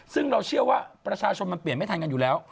ซึ่งเราเชื่อว่าประชาชนมันเปลี่ยนไม่ทันกันอยู่แล้ว